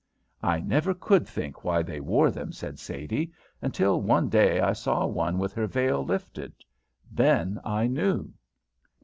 "I never could think why they wore them," said Sadie; "until one day I saw one with her veil lifted. Then I knew."